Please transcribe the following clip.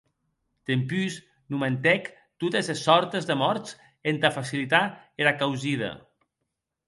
Dempús nomentèc totes es sòrtes de mòrts entà facilitar era causida.